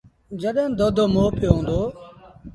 جڏهيݩ دودو مئو پيو هُݩدو۔